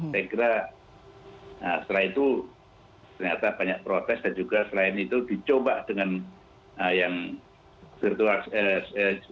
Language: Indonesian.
saya kira setelah itu ternyata banyak protes dan juga selain itu dicoba dengan yang virtual